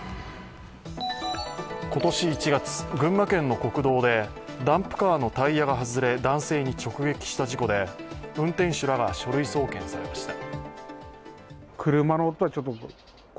今年１月、群馬県の国道でダンプカーのタイヤが外れ男性に直撃した事故で運転手らが書類送検されました。